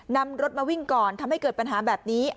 นำรถมาวิ่งก่อนทำให้เกิดปัญหาแบบนี้